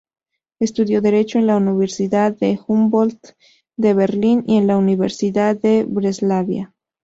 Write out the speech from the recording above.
Estudió derecho en la Universidad Humboldt de Berlín y en la Universidad de Breslavia.